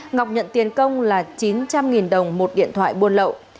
ngọc nhận tiền công là chín trăm linh đồng một điện thoại buôn lậu